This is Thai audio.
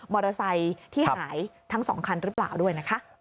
มอเตอร์ไซค์ที่หายทั้ง๒คันหรือเปล่าด้วยนะคะ